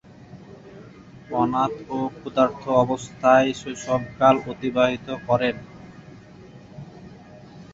অনাথ ও ক্ষুধার্ত অবস্থায় শৈশবকাল অতিবাহিত করেন।